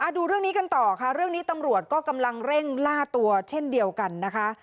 ดูเรื่องนี้กันต่อค่ะเรื่องนี้ตำรวจก็กำลังเร่งล่าตัวเช่นเดียวกันนะคะ